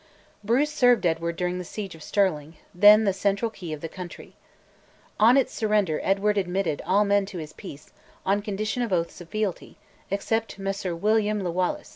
Bruce served Edward during the siege of Stirling, then the central key of the country. On its surrender Edward admitted all men to his peace, on condition of oaths of fealty, except "Messire Williame le Waleys."